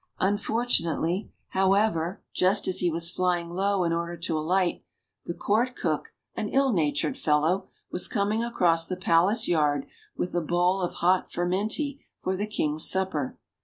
Unfortunately, however, just as he was flying low in order to alight, the Court cook, an ill natured fellow, was coming across the palace yard with a bowl of hot furmenty for the King's supper.